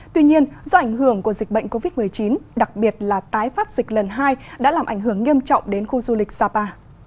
tuy nhiên do ảnh hưởng của dịch bệnh covid một mươi chín đặc biệt là tái phát dịch lần hai đã làm ảnh hưởng nghiêm trọng đến khu du lịch sapa